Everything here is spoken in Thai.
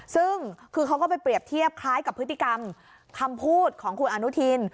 ซึ่งคือเขาก็ไปเปรียบเทียบคล้ายกับพฤติกรรมคำพูดของคุณอนุทิน